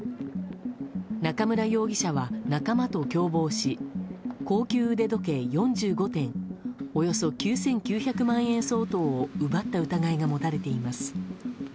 中村容疑者は仲間と共謀し高級腕時計４５点およそ９９００万円相当を奪った疑いが持たれています。